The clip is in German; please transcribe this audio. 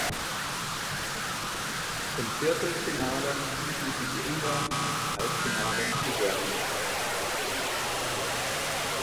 Im Viertelfinale schlugen sie die Ungarn und im Halbfinale die Serben.